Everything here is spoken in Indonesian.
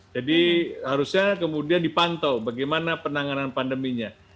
jadi harusnya kemudian dipantau bagaimana penanganan pandeminya